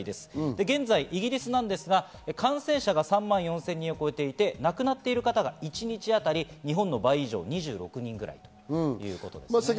現在、イギリスは感染者が３万４０００人を超えていて、なくなっている方が一日当たり日本の倍以上、２６人くらいということです。